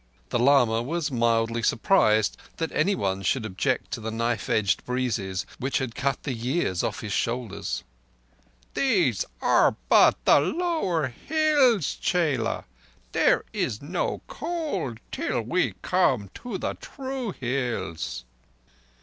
The lama was mildly surprised that anyone should object to the knife edged breezes which had cut the years off his shoulders. "These are but the lower hills, chela. There is no cold till we come to the true Hills."